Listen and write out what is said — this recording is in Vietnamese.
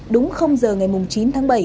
đúng giờ ngày chín tháng bảy